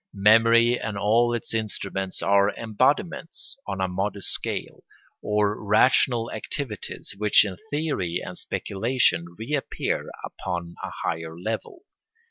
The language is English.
Memory and all its instruments are embodiments, on a modest scale, of rational activities which in theory and speculation reappear upon a higher level.